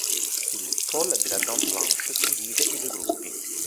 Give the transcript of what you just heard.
Il Col de la Dent Blanche divide i due gruppi.